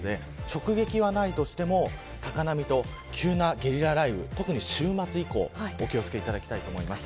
直撃はないとしても高波と急なゲリラ雷雨特に週末以降お気を付けいただきたいです。